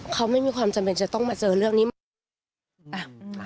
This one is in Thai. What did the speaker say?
เขาไม่มีความจำเป็นจะต้องมาเจอเรื่องนี้ใหม่